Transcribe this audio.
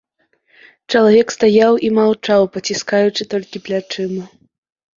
Чалавек стаяў і маўчаў, паціскаючы толькі плячыма.